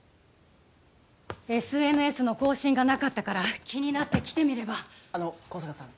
ＳＮＳの更新がなかったから気になって来てみればあの香坂さん